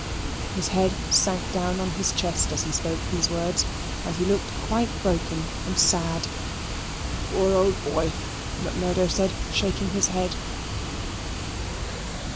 His head sank down on his chest as he spoke the words, and he looked quite broken and sad. "Poor old boy," Macmurdo said, shaking his head.